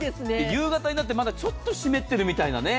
夕方になってまだちょっと湿ってるみたいなね。